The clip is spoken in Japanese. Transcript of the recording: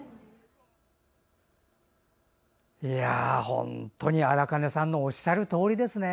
本当に荒金さんのおっしゃるとおりですね。